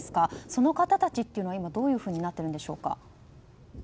その方たちは今、どういうふうになっているんでしょうか？